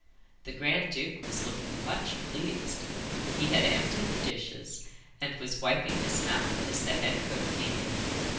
The grand duke was looking much pleased. He had emptied the dishes, and was wiping his mouth as the head cook came in.